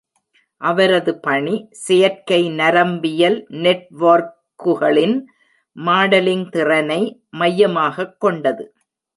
அவரது பணி, செயற்கை நரம்பியல் நெட்வொர்க்குகளின் மாடலிங் திறனை மையமாகக் கொண்டது.